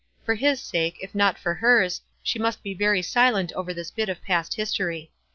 For his sake, if not for hers, she must be very silent over this bit of past history.